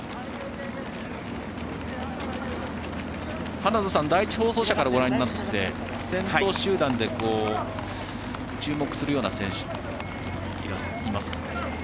花田さん、第１放送車からご覧になって先頭集団で、注目するような選手いますか？